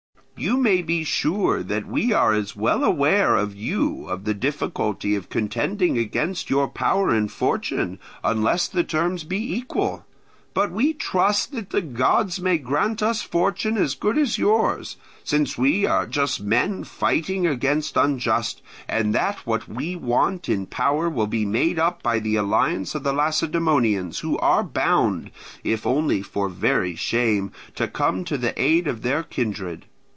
You may be sure that we are as well aware as you of the difficulty of contending against your power and fortune, unless the terms be equal. But we trust that the gods may grant us fortune as good as yours, since we are just men fighting against unjust, and that what we want in power will be made up by the alliance of the Lacedaemonians, who are bound, if only for very shame, to come to the aid of their kindred.